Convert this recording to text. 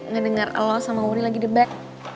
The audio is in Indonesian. ngedenger lo sama wuri lagi debat